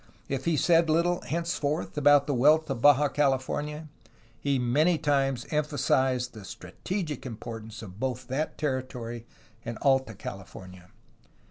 If he said little, henceforth, about the wealth of Baja California, he many times emphasized the strategic importance of both that territory and Alta California.